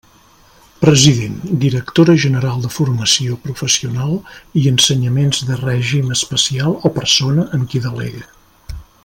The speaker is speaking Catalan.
President: directora general de Formació Professional i Ensenyaments de Règim Especial o persona en qui delegue.